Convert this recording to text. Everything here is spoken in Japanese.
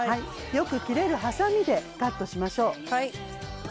よく切れる、はさみでカットしましょう。